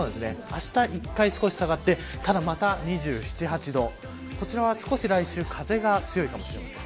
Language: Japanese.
あした一回少し下がって、また２７度、２８度こちらは少し来週風が強いかもしれません。